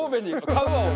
買うわ俺。